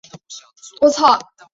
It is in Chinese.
后来司马昭以罪诛杀成济一族。